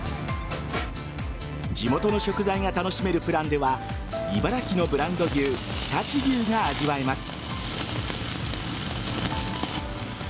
地元の食材が楽しめるプランでは茨城のブランド牛常陸牛が味わえます。